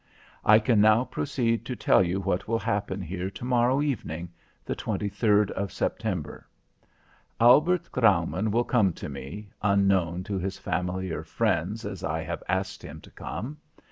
I can now proceed to tell you what will happen here to morrow evening, the 23rd of September. Albert Graumann will come to me, unknown to his family or friends, as I have asked him to come.